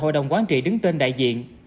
đồng quán trị đứng tên đại diện